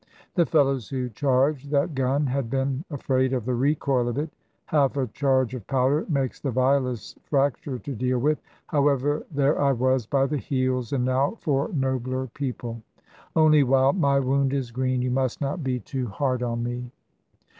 The fellows who charged that gun had been afraid of the recoil of it. Half a charge of powder makes the vilest fracture to deal with however, there I was by the heels, and now for nobler people. Only while my wound is green you must not be too hard on me.